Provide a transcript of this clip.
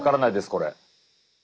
これ。